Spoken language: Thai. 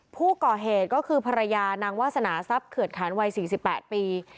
ผู้ก่อเหตุก็คือภรรยานางวาสนาทรัพย์เขื่อนขานวัย๔๘ปี